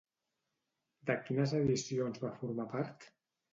De quines edicions va formar part?